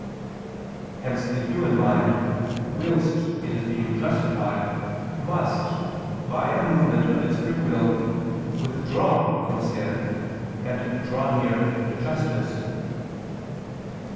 _ Hence the human mind whilst it is being justified, must, by a movement of its free will withdraw from sin and draw near to justice.